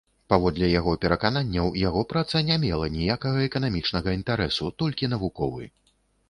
Паводле яго перакананняў, яго праца не мела ніякага эканамічнага інтарэсу, толькі навуковы.